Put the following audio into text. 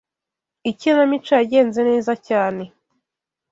Ikinamico yagenze neza cyane.